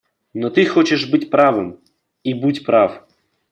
Но ты хочешь быть правым, и будь прав.